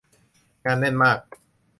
งานแน่นมาก